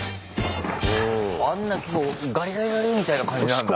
あんな結構ガリガリガリみたいな感じなんだ。